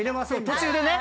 途中でね。